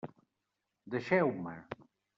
Deixeu-me!